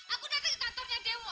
aku datang ke kantornya demo